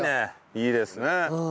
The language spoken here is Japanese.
いいですね。